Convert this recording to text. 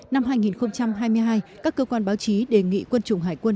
năm hai nghìn hai mươi hai các cơ quan báo chí đề nghị quân chủng hải quân